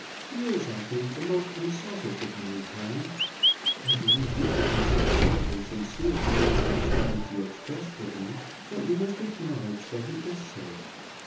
He is, I think, the most unselfish of mankind. I believe you to be so thoroughly sincere in the affection which you express for me, that you must acknowledge that he is so.